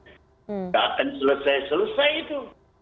tidak akan selesai selesai itu